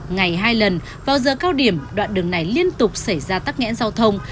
ngày hai lần vào giờ cao điểm đoạn đường này liên tục xảy ra tắc nghẽn giao thông